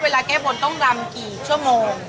เวลาแกะบ่นต้องลำกี่ชั่วโมง